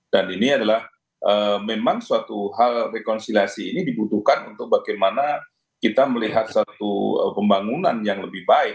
dan ini adalah memang suatu hal rekonsiliasi ini dibutuhkan untuk bagaimana kita melihat satu pembangunan yang lebih baik